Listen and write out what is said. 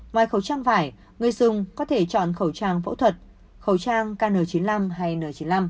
ngoài khẩu trang vải người dùng có thể chọn khẩu trang phẫu thuật khẩu trang kn chín mươi năm hay n chín mươi năm